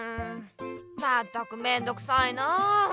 まったくめんどくさいなあ。